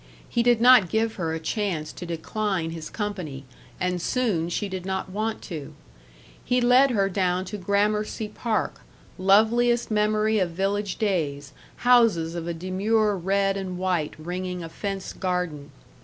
He did not give her a chance to decline his company and soon she did not want to. He led her down to Gramercy Park, loveliest memory of village days, houses of a demure red and white ringing a fenced garden.